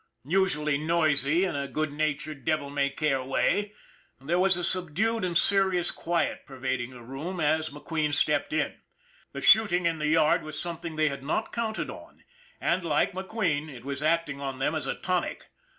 Usually noisy in a good natured, devil may care way, there was a subdued and serious quiet pervading the room as McQueen stepped in. The shooting in the yard was something they had not counted on and, like McQueen, it was acting on them as a tonic.